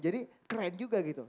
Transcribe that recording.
jadi keren juga gitu